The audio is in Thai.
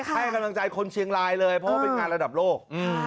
ให้กำลังใจคนเชียงรายเลยเพราะว่าเป็นงานระดับโลก